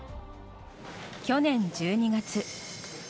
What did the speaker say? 去年１２月。